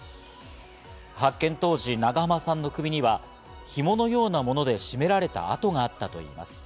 発見当時、長濱さんの首にはひものようなもので絞められた痕があったといいます。